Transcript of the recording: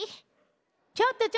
ちょっとちょっと！